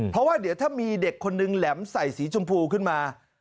เพราะว่าเดี๋ยวถ้ามีเด็กคนนึงแหลมใส่สีชมพูขึ้นมา